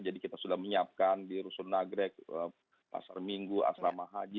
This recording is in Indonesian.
jadi kita sudah menyiapkan di rusun nagrek pasar minggu asrama haji